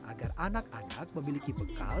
agar anak anak memiliki bekal